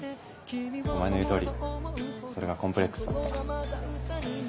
お前の言う通りそれがコンプレックスだった。